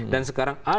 dan sekarang ada